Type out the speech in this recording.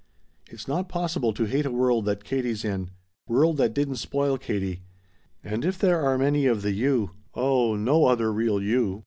It's not possible to hate a world that Katie's in. World that didn't spoil Katie. And if there are many of the you oh no other real you!